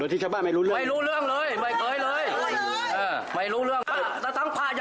โดยที่ชาวบ้านไม่รู้เรื่องไม่รู้เรื่องเลยไม่เคยเลย